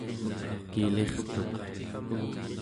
kilirtuq